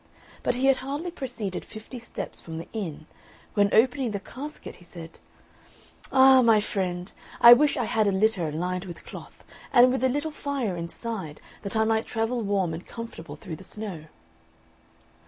But he had hardly proceeded fifty steps from the inn, when, opening the casket, he said, "Ah, my friend, I wish I had a litter lined with cloth, and with a little fire inside, that I might travel warm and comfortable through the snow!"